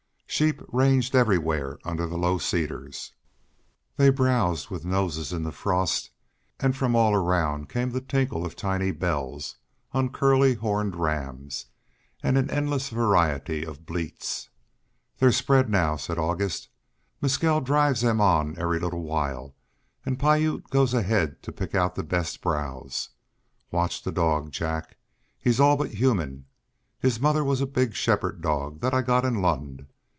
Sheep ranged everywhere under the low cedars. They browsed with noses in the frost, and from all around came the tinkle of tiny bells on the curly horned rams, and an endless variety of bleats. "They're spread now," said August. "Mescal drives them on every little while and Piute goes ahead to pick out the best browse. Watch the dog, Jack; he's all but human. His mother was a big shepherd dog that I got in Lund.